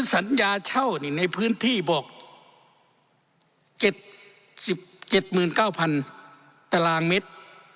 สัญญาเช่านี้ในพื้นที่บวกเจ็ดสิบเจ็ดหมื่นเก้าพันตารางเมตร